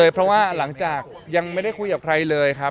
เพราะว่าหลังจากยังไม่ได้คุยกับใครเลยครับ